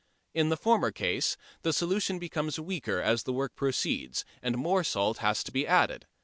In the former case, the solution becomes weaker as the work proceeds, and more salt has to be added.